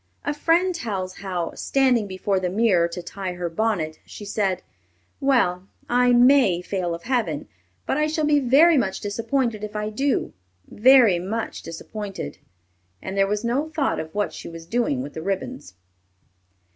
A friend tells how, standing before the mirror to tie her bonnet, she said, "Well, I may fail of Heaven, but I shall be very much disappointed if I do very much disappointed;" and there was no thought of what she was doing with the ribbons.